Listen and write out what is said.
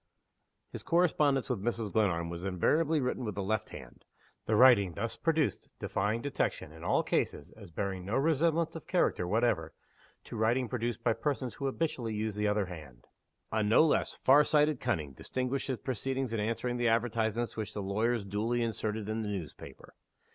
His correspondence with Mrs. Glenarm was invariably written with the left hand the writing thus produced defying detection, in all cases, as bearing no resemblance of character whatever to writing produced by persons who habitually use the other hand. A no less far sighted cunning distinguished his proceedings in answering the advertisements which the lawyers duly inserted in the newspaper.